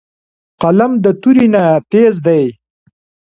قلم د تورې نه تېز دی